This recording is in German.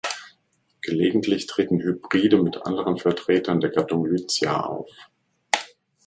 Gelegentlich treten Hybride mit anderen Vertretern der Gattung "Lycia" auf.